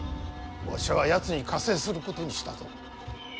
わしはやつに加勢することにしたぞ。